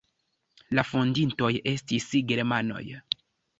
La fondintoj estis germanoj.